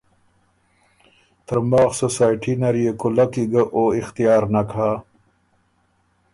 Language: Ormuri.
ترماخ سوسائټي نر يې کُولک کی ګۀ او اختیار نک هۀ